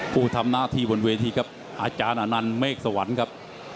ผู้ทำหน้าที่บนเวทีครับอาจารย์อนันต์เมฆสวรรค์ครับ